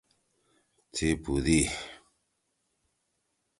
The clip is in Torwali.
ئی پُودی۔